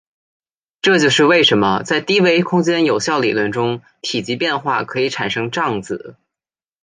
这就是为什么在低维空间有效理论中体积变化可以产生胀子。